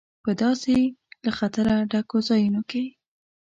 په داسې له خطره ډکو ځایونو کې.